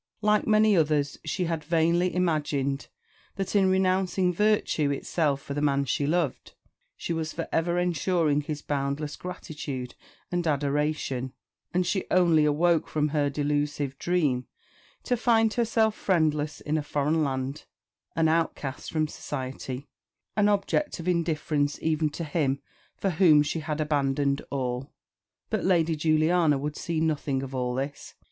Like many others, she had vainly imagined that, in renouncing virtue itself for the man she loved, she was for ever ensuring his boundless gratitude and adoration; and she only awoke from her delusive dream to find herself friendless in a foreign land, an outcast from society, an object of indifference even to him for whom she had abandoned all. But Lady Juliana would see nothing of all this.